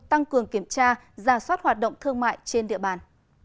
tăng cường kiểm tra giả soát hoạt động thương mại trên địa bàn